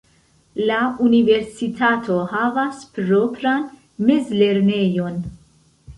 La universitato havas propran mezlernejon.